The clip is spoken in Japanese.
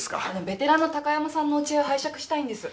ベテランの高山さんのお知恵を拝借したいんです。